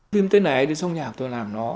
phim tết này ai đến sông nhà tôi làm nó